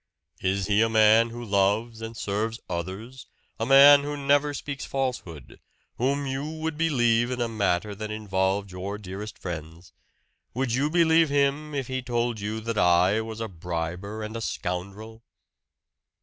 "Is he a man who loves and serves others? A man who never speaks falsehood whom you would believe in a matter that involved your dearest friends? Would believe him if he told you that I was a briber and a scoundrel?"